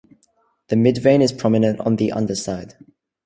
The midvein is prominent on the underside.